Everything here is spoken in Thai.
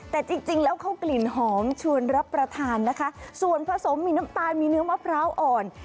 แต่จริงแล้วเขากลิ่นหอมชวนรับประทานนะคะส่วนผสมมีน้ำตาลมีเนื้อมะพร้าวอ่อน